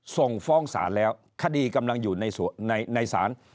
ส่งฟ้องศาลแล้วคดีกำลังอยู่ในศาล